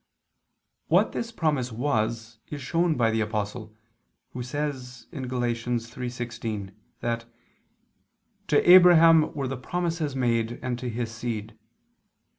What this promise was is shown by the Apostle, who says (Gal. 3:16) that "to Abraham were the promises made and to his seed.